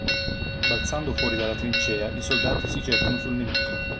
Balzando fuori della trincea i soldati si gettano sul nemico.